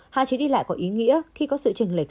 hạn chế đi lại có ý nghĩa khi có sự trừng lệch